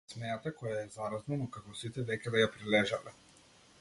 Смеата која е заразна но како сите веќе да ја прележале.